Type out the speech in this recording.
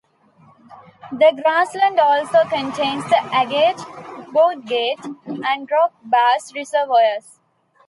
The grassland also contains the Agate, Bordgate, and Rock Bass reservoirs.